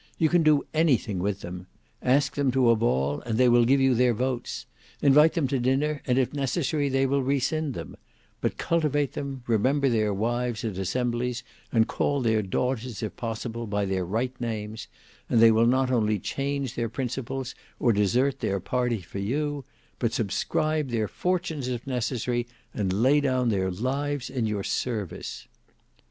You can do anything with them. Ask them to a ball, and they will give you their votes; invite them to dinner and if necessary they will rescind them; but cultivate them, remember their wives at assemblies and call their daughters, if possible, by their right names; and they will not only change their principles or desert their party for you; but subscribe their fortunes if necessary and lay down their lives in your service."